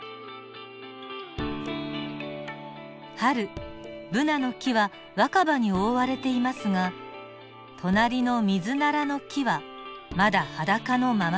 春ブナの木は若葉に覆われていますが隣のミズナラの木はまだ裸のままです。